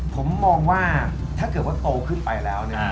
ผมมองว่าถ้าเกิดว่าโตขึ้นไปแล้วเนี่ย